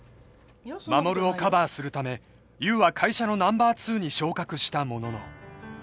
［衛をカバーするため優は会社のナンバー２に昇格したものの］